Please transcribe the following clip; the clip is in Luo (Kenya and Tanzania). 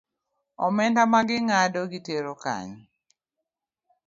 Omenda maging’ado gitero kanye?